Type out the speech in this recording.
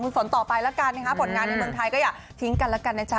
คุณฝนต่อไปแล้วกันนะคะผลงานในเมืองไทยก็อย่าทิ้งกันแล้วกันนะจ๊